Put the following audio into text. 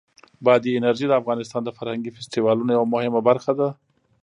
بادي انرژي د افغانستان د فرهنګي فستیوالونو یوه مهمه برخه ده.